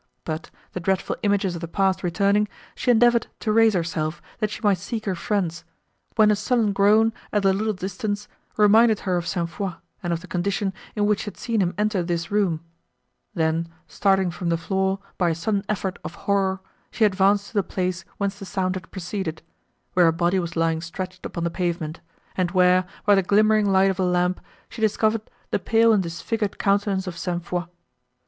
But, the dreadful images of the past returning, she endeavoured to raise herself, that she might seek her friends, when a sullen groan, at a little distance, reminded her of St. Foix, and of the condition, in which she had seen him enter this room; then, starting from the floor, by a sudden effort of horror, she advanced to the place whence the sound had proceeded, where a body was lying stretched upon the pavement, and where, by the glimmering light of a lamp, she discovered the pale and disfigured countenance of St. Foix.